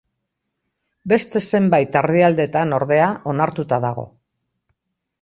Beste zenbait herrialdetan, ordea, onartuta dago.